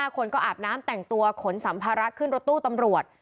คนก็อาบน้ำแต่งตัวขนสัมภาระขึ้นรถตู้ตำรวจ